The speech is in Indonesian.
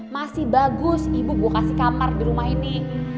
masih bagus ibu gue kasih kamar di rumah ini